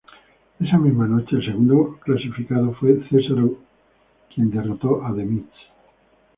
Esa misma noche, el segundo clasificado fue Cesaro quien derrotó a The Miz.